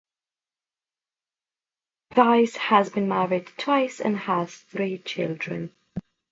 Weiss has been married twice and has three children.